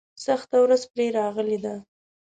سخته ورځ پرې راغلې ده.